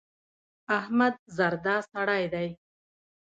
احمد زردا سړی دی.